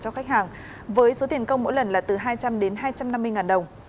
cho khách hàng với số tiền công mỗi lần là từ hai trăm linh đến hai trăm năm mươi ngàn đồng